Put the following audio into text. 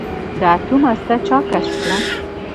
د اتوم هسته چا کشف کړه.